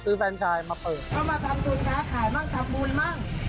ซื้อแฟนชายมาเปิดเอามาทำธุรการขายบ้างทำบุญบ้าง